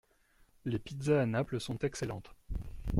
Les pizzas à Naples sont excellentes.